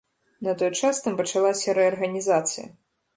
На той час там пачалася рэарганізацыя.